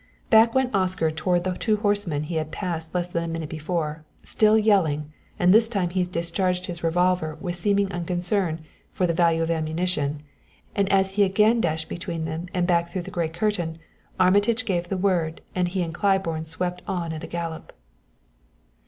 Back went Oscar toward the two horsemen he had passed less than a minute before, still yelling, and this time he discharged his revolver with seeming unconcern, for the value of ammunition, and as he again dashed between them, and back through the gray curtain, Armitage gave the word, and he and Claiborne swept on at a gallop.